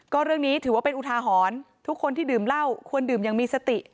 ก็เรื่องนี้ถือว่าเป็นอุทาหรณ์ทุกคนที่ดื่มเหล้าควรดื่มอย่างมีสติ